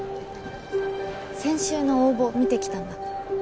先週の応募見て来たんだ？